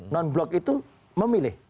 non block itu memilih